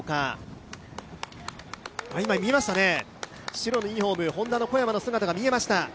今、白のユニフォーム、Ｈｏｎｄａの小山の姿が見えました。